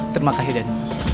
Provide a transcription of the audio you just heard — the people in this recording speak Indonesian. terima kasih den